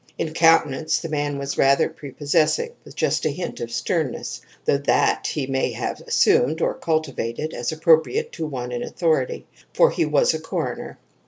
In countenance the man was rather prepossessing, with just a hint of sternness; though that he may have assumed or cultivated, as appropriate to one in authority. For he was a coroner.